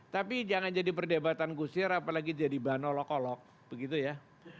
tapi jangan jadi perdebatan kusir apalagi jadi banolok olok begitu ya